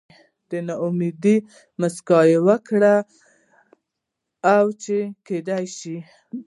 نو د نا امېدۍ مسکا يې وکړه وې چې کېدے شي